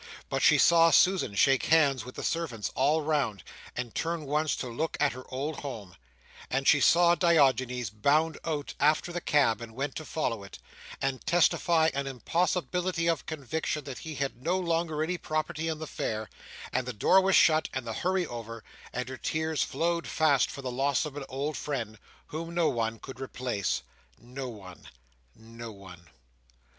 But she saw Susan shake hands with the servants all round, and turn once to look at her old home; and she saw Diogenes bound out after the cab, and want to follow it, and testify an impossibility of conviction that he had no longer any property in the fare; and the door was shut, and the hurry over, and her tears flowed fast for the loss of an old friend, whom no one could replace. No one. No one.